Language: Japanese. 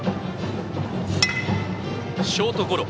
ショートゴロ。